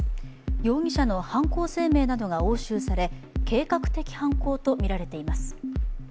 容疑者の犯行声明などが押収され、計画的犯行とみられています。